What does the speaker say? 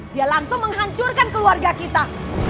dia langsung menghancurkan keluarga kita